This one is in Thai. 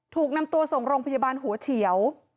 ถูกนำตัวส่งโรงพยาบาลหัวเฉียว